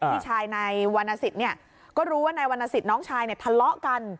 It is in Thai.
พี่ชายนายวรรณสิทธิ์ก็รู้ว่านายวรรณสิทธิ์น้องชายเนี่ยทะเลาะกัน